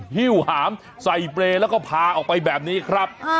หิ้วหามใส่เปรย์แล้วก็พาออกไปแบบนี้ครับ